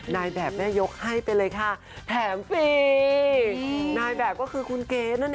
นายแบบแม่ยกให้ไปเลยค่ะแถมฟรีนายแบบก็คือคุณเก๋นั่นเอง